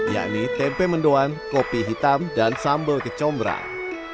yakni tempe mendoan kopi hitam dan sambal kecombrang